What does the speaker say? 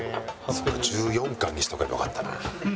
１４貫にしとけばよかったな。